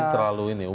terlalu ini umumnya